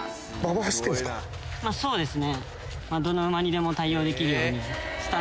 そうですね。